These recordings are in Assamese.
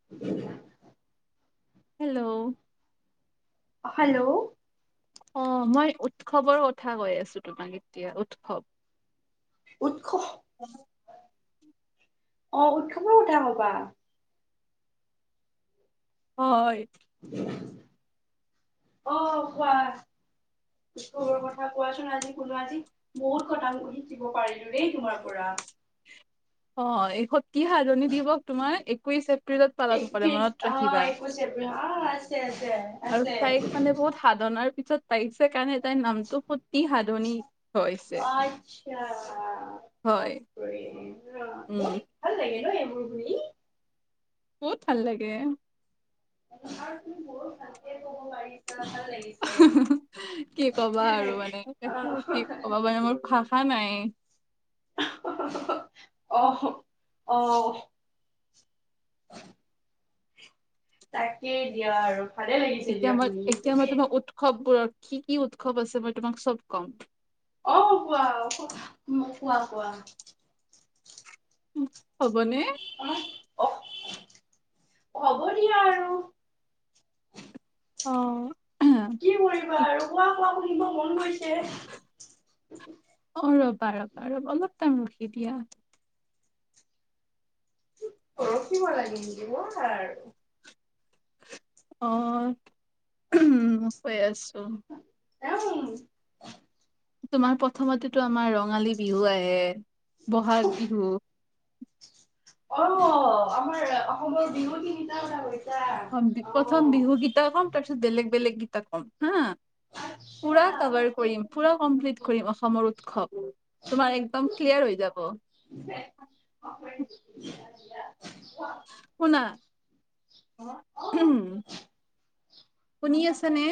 [inaudible] হেল্ল' হেল্ল' অ', মই উৎসৱৰ কথা কৈ আছোঁ তোমাক এতিয়া, উৎসৱ। উৎসৱ, অ, উৎসৱৰ কথা ক'বা? হয়। অ', কোৱা, উৎসৱৰ কথা কোৱাচোন আজি শুনো আজি। বহুত কথা [unintelligible] শিকিব পাৰিলোঁ দেই তোমাৰ পৰা। অ', এই সতি সাধনী দিৱস তোমাৰ একৈশ এপ্ৰিলত পালন কৰে মনত ৰাখিবা। শে এপ্ৰিল অ, আছে-আছে। আৰু তাইক মানে বহুত সাধনাৰ পিছত পাইছে কাৰণে তাইৰ নামটো সতি সাধনী থৈছে। [unintelligible] বহুত ভাল লাগে উম ন' এইবোৰ শুনি। বহুত ভাল লাগে। আৰু তুমি বহুত ভালকে ক'ব পাৰিছা ভাল লাগিছে। কি ক'বা আৰু মানে কি ক'বা মানে মোৰ ভাষা নাই। অহ, অহ। তাকেই দিয়া আৰু ভালে লাগিছে এতিয়া দিয়া মই শুনি এতিয়া মই তুমি তোমাক এনে উৎসৱবোৰৰ কি কি উৎসৱ আছে মই তোমাক চব ক'ম। অ', কোৱা, কোৱা, কোৱা। হ'বনে? অহ, হ'ব। দিয়া আৰু অ'। কি কৰিবা আৰু কোৱা কোৱা শুনিব মন গৈছে। অ', ৰ'বা, ৰ'বা, ৰ'বা অলপ টাইম ৰখি দিয়া। ৰখিব লাগিব নেকি ৰখ আৰ। অ', উম, কৈ আছোঁ। [unintelligible] তোমাৰ প্ৰথমতেটো আমাৰ ৰঙালী বিহু আহে বহাগ বিহু। অ', আমাৰ অসমৰ বিহু তিনিটা কথা কৈছোঁ। অ', প্ৰথম বিহু গীতা ক'ম তাৰ পিছত বেলেগ বেলেগ গীতা ক'ম হা। পুৰা আচ্ছা কভাৰ কৰিম পুৰা কমপ্লিট কৰিম অসমৰ উৎসৱ, তোমাৰ একদম ক্লিয়াৰ হৈ যাব। [unintelligible] [inaudible] শুনা। শুনি আছানে?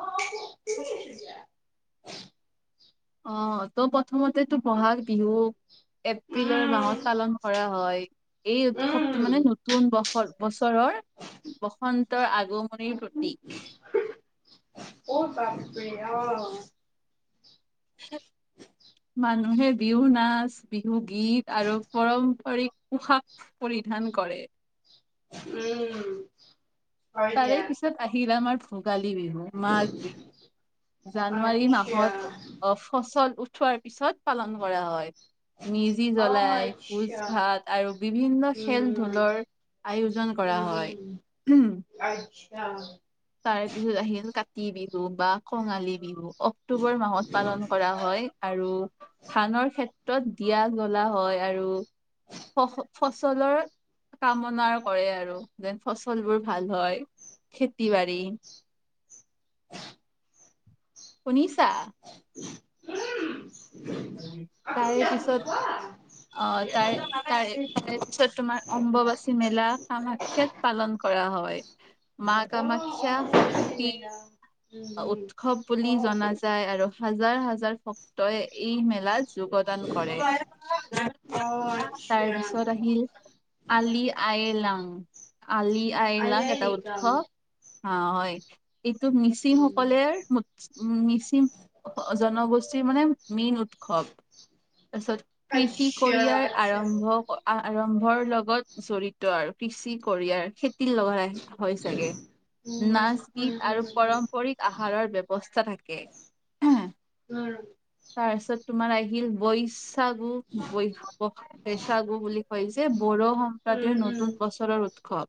অ', অ', শুনি আছোঁ দিয়া। অ', ত' প্ৰথমতেটো বহাগ বিহু এপ্ৰিলৰ মাহত পালন কৰা হয়। এই উৎসৱটো মানে নতুন বছৰ বছৰৰ বসন্তৰ আগমনিৰ প্ৰতীক। অ', বাপৰে অ'। মানুহে বিহু নাচ বিহু গীত আৰু পাৰম্পৰিক পোছাক পৰিধান কৰে। উম। হয় তাৰে দিয়া পিছত আহিল আমাৰ ভোগালী বিহু, মাঘ বিহু, জানুৱাৰী আচ্ছা মাহত অ', ফচল উঠোৱাৰ পিছত পালন কৰা হয়। মেজি জ্বলাই, ভোজ ভাত আৰু বিভিন্ন খেল ধূলৰ আয়োজন কৰা হয়। আইস [unintelligible] তাৰেপিছত আহিল কাতি বিহু বা কঙালী বিহু। অক্টোবৰ মাহত পালন কৰা হয় আৰু ধানৰ খে তই দিয়া জ্বলা হয় আৰু। [unintelligible] ফচলৰ কামনাও কৰে আৰু যেন ফচলবোৰ ভাল হয়। টিবাৰি। [inaudible] শুনিছা? উম। তাৰেপিছত। অ, তাৰে তাৰে তাৰেপিছত তোমাৰ অম্বুবাচী মেলা। কামা খ্যাত পালন কৰা হয়। মা কামাখ্যা শক্তিৰ উৎসৱ বুলি জনা যায়, আৰু হাজাৰ হাজাৰ শ ত' এই মেলাত যোগদান কৰে। তাৰে পিছত আহিল। আলি আয় লাং, আলি আয়লাং এটা উৎসৱ। অ' হয়। এইটো মিচিংসকলেৰ উম, মিচিং জনগোষ্ঠীৰ মানে মীন উৎসৱ, তাৰপিছত কৃষি কৰিয়াৰ আৰম্ভ। আ আৰম্ভৰ লগত জড়িত আৰু কৃষি কৰিয়াৰ খে তি লগালে হয় চাগে, নাচ-গীত আৰু কৰম আহাৰৰ ব্যৱস্থা থাকে। [unintelligible] তাৰপিছত তোমাৰ আহিল বৈচাগু, বৈশ বৈচাগু বুলি কয় যে বড়ো সম্প্ৰদায়ৰ নতুন বছৰৰ উৎসৱ।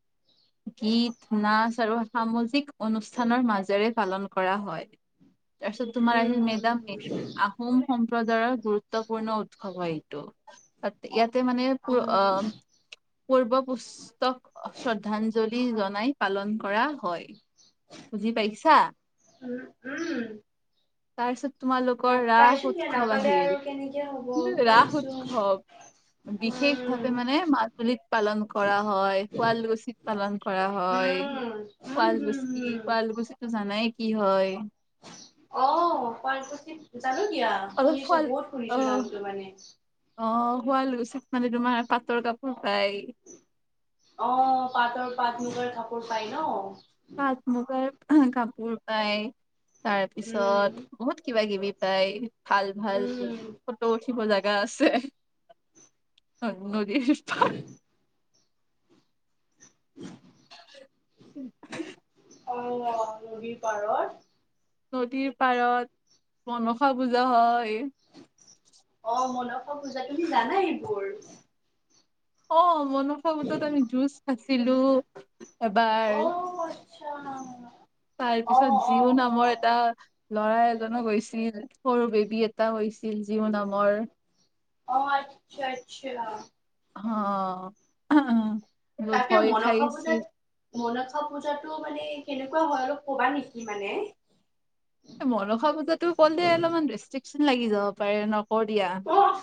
গীত-নাচ আৰু সামাজিক অনুষ্ঠানৰ মাজেৰে পালন কৰা হয়। তাৰপিছত তোমাৰ আহিল, মেডাম-মেফি। আহোম সম্প্ৰদায়ৰ গুৰুত্বপূৰ্ণ উৎসৱ হয় এইটো, ইয়াতে মানে প অ পূৰ্বপুস্তক শ্ৰদ্ধাঞ্জ লি জনাই পালন কৰা হয়। বুজি পাইছা? উম উম। তাৰ পিছত তোমালোকৰ ৰাস নাপাইছো কিয় উৎসৱ নাপালে আৰু আহিল, কেনেকে হ'ব উ-ৰাস পাইছো উৎসৱ। উম বিশেষভাৱে মানে মাজুলীত পালন কৰা হয়, শুৱালুছিত। পালন কৰা হয়। উম উম হম শুৱালকুছি, হম শুৱালকছিতটো জানাই কি হয়? অ' শুৱালকুছিত, জানো দিয়া! অলপ শুনিছোঁ, শুৱাল বহুত শুনিছোঁ অ', নামটো মানে। অ' শুৱালুছিত মানে তোমাৰ পাটৰ কাপোৰ পায়। অ', পাটৰ পাট-মুগাৰ কাপোৰ পাই ন। পাট-মুগাৰ কাপোৰ পায়, তাৰ উম, পিছত বহুত কিবা-কিবি পায় ভাল ভাল। উম, ফটো উঠিব জাগা আছে, নদীৰ পাৰ। [inaudible] [inaudible] অ' নদীৰ পাৰত। নদীৰ পাৰত মনসা পূজা হয়। অ' মনসা পূজা তুমি জানাই এইবোৰ। অ' মনসা পূজাত আমি জুচ খাইছিলো এবাৰ। [unintelligible] তাৰ পিছত অ', জিউ অ', নামৰ অ', এটা ল'ৰা এজনো গৈছিল। সৰু বেবী এটা হৈছিল জিও নামৰ। অ, আচ্ছা আচ্ছা। হ, [inaudible] তাকে, মন [inaudible] পূজাত মনসা, পূজাতো মানে কেনেকুৱা হয় আৰু কবা নেকি মানে। মনসা পূজাতো ক'লে অলপমান ৰেষ্ট্ৰিকশন লাগি যাব পাৰে, নকও দিয়া। অ',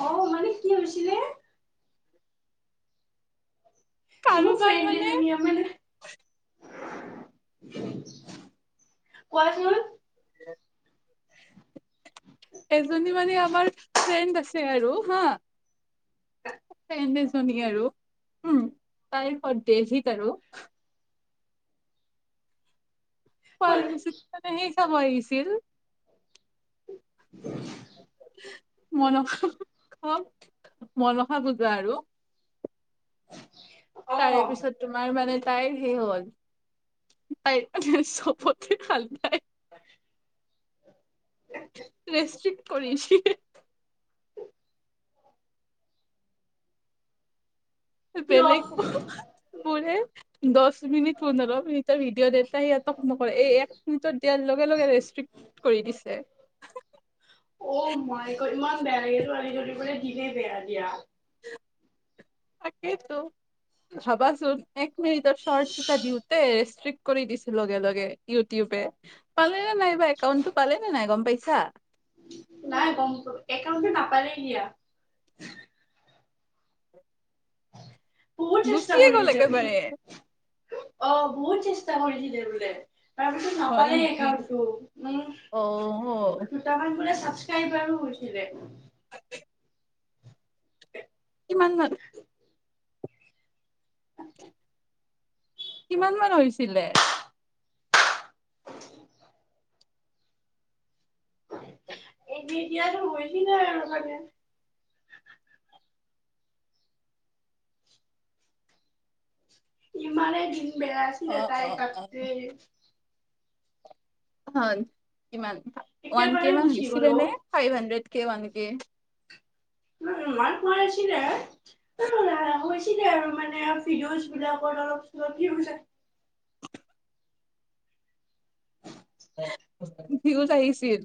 অ, মানে কি হৈছিলে। মোৰ, কাৰোবাৰ ফ্ৰেন্দ মানে এজনি মানে কোৱাচোন [inaudible] এজনী মানে আমাৰ, ফ্ৰেড আছে আৰু হা। ফ্ৰেন্দ এজনী আৰু উম, তাৰপৰত ডেজিত আৰু। শুৱালকুছিত মানে হেই চাব আহিছিল। [inaudible] মনসা খ, মনসা পূজা আৰু। অ তাৰে পিছত তোমাৰ মানে তাইৰ সেই হ'ল, তাইৰ মানে চবতে ভাল তাই। ৰেষ্ট্ৰিক্ট কৰিছ কিয় বেলেগক, বুলে দশ মিনিট পোন্ধৰ মিনিটৰ ভিডিঅ, দেওতে সিহঁক নকৰে, এই এক মিনিটত দিয়াৰ লগে, লগে ৰেষ্ট্ৰিক কৰি দিছে। অ, মাই গড, ইমান বেয়া লাগিলো [inaudible] দিনেই বেয়া দিয়া। তাকেটো। ভাবাচোন এক মিনিটৰ শৰ্টছ এটা দিওঁতে, ৰেষ্ট্ৰিক্ট কৰি দিছো লগে, লগে। ইউটিউবে, পালে নে, নাইবা একাউণ্টটো পালে নে, নাই, গম পাইছা? নাই গম প, একাউন্টতো নাপালে দিয়া। [unintelligible] অ, বহুত চেষ্টা গুচিয়ে গ'ল কৰিছিলে একেবাৰে বোলে। তপিছো হয় নাপালেই নেকি একাউন্টতো উম, অ দুটামান বোলে, ছাবচক্ৰবাৰো হৈ গৈছিলে। [inaudible] কিমান মান? [inaudible] হয়। কিমান মান, হৈছিলে? [inaudible] এ, [unintelligible] ইমানেই দিন বেয়া অ আছিলে, তাই অ পাত অ হয়, কিমান ওৱান কে, একেবাৰে মান গুচি গ'ল বিচিবানে অ নে, ফাইভ হাণ্ড্ৰেড কে, ওৱান কে। [unintelligible] [inaudible] [unintelligible] [inaudible] ভিউজ আহিছিল।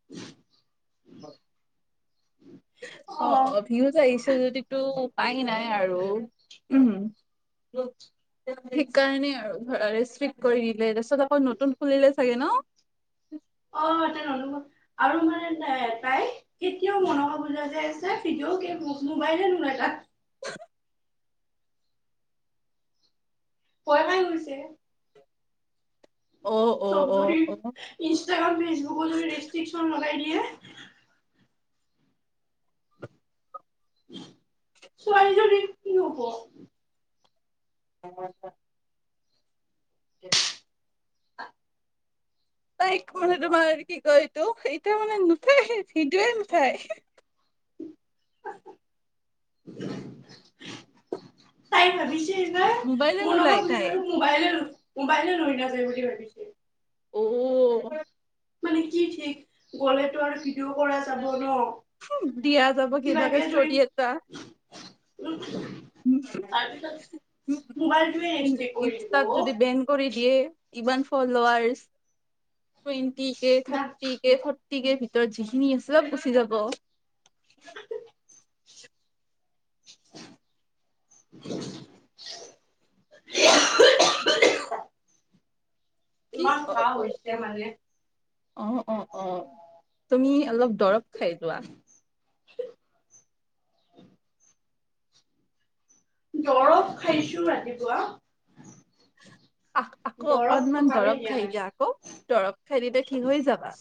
[inaudible] অ, অ, ভিউজ আহিছে যদিতো, পায় নাই। আৰু উম, সিকাৰণে আৰু ৰেষ্ট্ৰিক্ট কৰি দিলে তাৰপিছত আকৌ নতুন খুলিলে ছাগে ন অ' তেনে আৰু মানে ত তাই কেতিয়াও মনশা পুজা যে তাই ভিডিঅ' গেম মোবাইলে নোলাই তাত [unintelligible] পোৱা নাই কৈছে অ অ চব অ যদি অ ইনষ্টাগ্ৰাম ফেচবুক যদি ৰিষ্ট্ৰিকচন লগাই দিয়ে ছোৱালীজনি কি হব? [unintelligible] উম তাইক মানে তোমাৰ কি কয় এইটো এতিয়া মানে নুঠায় ভিদ য়ে নুঠায় তাই ভাবিছে নাই মোৰ লগা আৰু মোবাইলে নোলাই মোবাইলে তাই লৈ নাযায় বুলি ভাবিছে উম হু মানে কি ঠিক গ'লেতো আৰু ভিডিঅ' কৰা যাব ন দিয়া যাব কিবাকে যদি ষ্টৰি এটা উম তাৰপিছত মোবাইলটোৱা ৰেষ্ট্ৰক কৰি দিব ইনষ্টাত অ' যদি বেন কৰি দিয়ে ইমান ফলাৰ টুৱেন্টি কে না থাৰ্টি কে ফলোৱাৰচ কে ফৰ্টি কে ভিতৰত যিখিনি আছে চব গুচি যাব। [unintelligible] কি ইমান গা পাব হৈছে মানে অ' অ' অ' তুমি অলপ দৰৱ খাই যোৱা। দৰৱ খাইছো ৰাতিপুৱা। আ আকৌ দৰৱটো অকনমান কামেই দৰব খাই নাই দিয়া আকৌ, দৰব খাই দিলে ঠিক হৈ যাবা।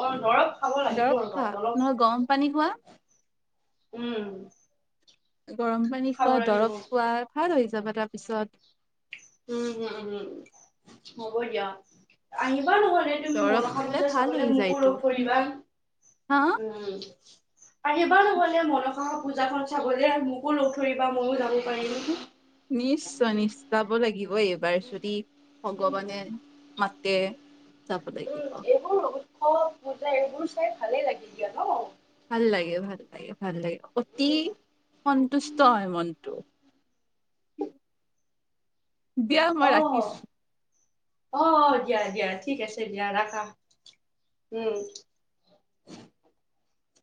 অ' দৰব খাব দৰৱ লাগিব আৰু খোৱা ভাত অলপ। নহয় গৰম পানী খোৱা উম। গৰম পানী খোৱা, খাব লাগিব দৰৱ খোৱা, ভাল হৈ যাবা তাৰ পিছত। উম হুম হুম, হ'ব দিয়া, আহিবা নহ'লে। তুমি দৰৱ মনসা খালে পূজা ভাল চাবলে হৈ মোকো যায়তো লগ তুমি ধৰিবা হা উম। আহিবা নহ'লে মনসা হৰ পূজাখন চাবলে মোকো লগ ধৰিবা ময়ো যাম নিশ্চয় নিশ্চয় যাব লাগিব এইবাৰ যদি। ভগৱানে মাতে, যাব উম লাগিব। এইবোৰ উৎসৱ পূজা এইবোৰ চাই ভালে লাগে দিয়া ন। ভাল লাগে, ভাল লাগে, ভাল লাগে অতি সন্তুষ্ট হয় মনটো। দিয়া মই ৰাখিছো। অ' অ' দিয়া দিয়া ঠিক আছে দিয়া ৰাখা উম।